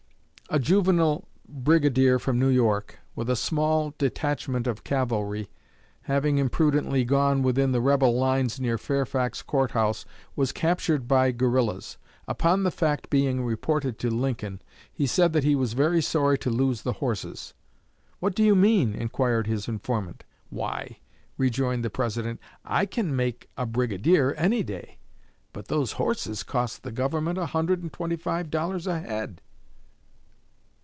A juvenile "brigadier" from New York, with a small detachment of cavalry, having imprudently gone within the rebel lines near Fairfax Court House, was captured by "guerillas." Upon the fact being reported to Lincoln, he said that he was very sorry to lose the horses. "What do you mean?" inquired his informant. "Why," rejoined the President, "I can make a 'brigadier' any day; but those horses cost the government a hundred and twenty five dollars a head!"